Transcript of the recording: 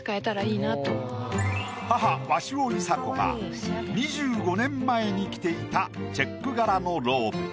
母鷲尾いさ子が２５年前に着ていたチェック柄のローブ。